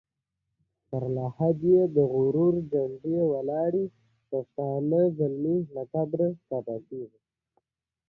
په پملا کې د محصلینو لپاره ګټورې مقالې نشریږي.